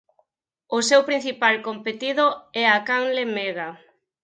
O seu principal competido é a canle Mega.